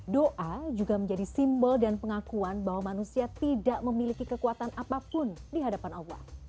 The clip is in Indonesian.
doa juga menjadi simbol dan pengakuan bahwa manusia tidak memiliki kekuatan apapun di hadapan allah